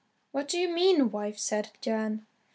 "What do you mean, wife?" said Jan.